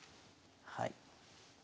はい。